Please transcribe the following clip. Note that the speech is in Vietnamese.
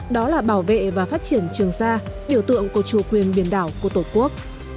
đó là bảo vệ và phát triển trường sa biểu tượng của chủ quyền biển đảo của tổ quốc